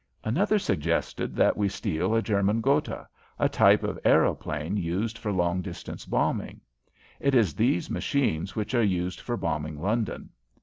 Another suggested that we steal a German Gotha a type of aeroplane used for long distance bombing. It is these machines which are used for bombing London.